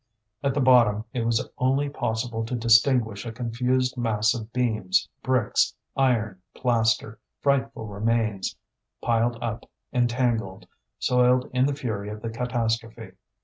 At the bottom it was only possible to distinguish a confused mass of beams, bricks, iron, plaster, frightful remains, piled up, entangled, soiled in the fury of the catastrophe.